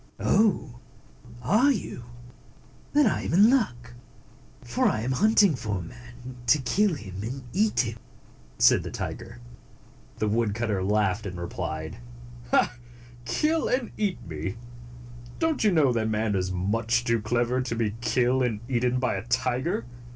"Oh! Are you? Then I am in luck; for I am hunting for a man, to kill him and eat him," said the tiger. The woodcutter laughed, and replied, "Kill and eat me? Don't you know that man is much too clever to be killed and eaten by a tiger?